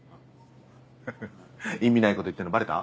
フフフ意味ないこと言ってんのバレた？